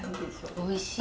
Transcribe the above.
おいしい！